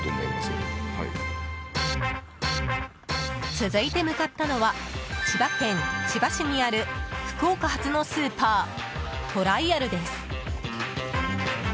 続いて向かったのは千葉県千葉市にある福岡発のスーパートライアルです。